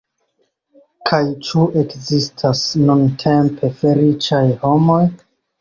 Kaj ĉu ekzistas nuntempe feliĉaj homoj?